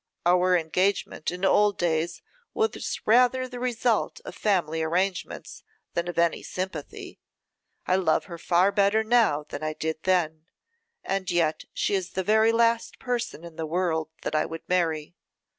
Our engagement in old days was rather the result of family arrangements than of any sympathy. I love her far better now than I did then, and yet she is the very last person in the world that I would marry.